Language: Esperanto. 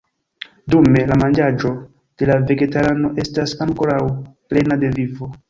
Dume la manĝaĵo de la vegetarano estas ankoraŭ plena de vivo.